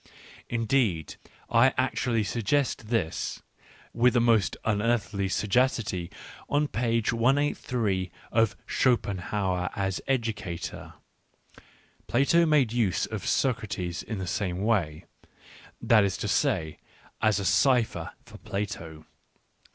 Indeed I actually suggest this, with most unearthly sagacity, on page 183 of Schopenhauer as Educator. Plato made use of Socrates in the same way — that is to say, as a cipher for Plato.